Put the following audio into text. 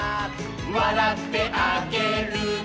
「わらってあげるね」